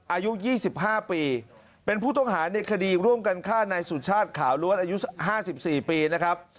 อายุ๒๕ปีเป็นผู้ต้องหาในคดีร่วมกันฆ่านายสุชาติขาวล้วนอายุ๕๔ปีนะครับ